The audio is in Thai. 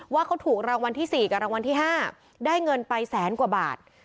ว่าเขาถูกรางวัลที่๔กับรางวัลที่๕ได้เงินไปแสนกว่าบาท